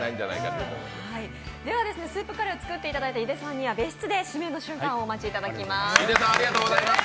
スープカレーを作っていただいた井手さんには別室で指名の瞬間をお待ちいただきます。